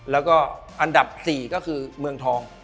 แล้วก็อันดับ๔ก็คือเมืองทอง